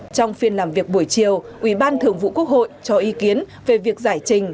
trong phiên làm việc buổi chiều ủy ban thường vụ quốc hội cho ý kiến về việc giải trình